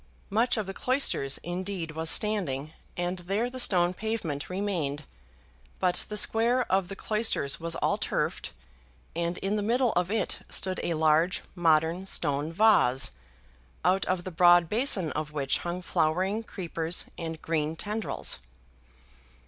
Much of the cloisters indeed was standing, and there the stone pavement remained; but the square of the cloisters was all turfed, and in the middle of it stood a large modern stone vase, out of the broad basin of which hung flowering creepers and green tendrils.